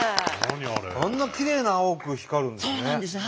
あんなきれいな青く光るんですね。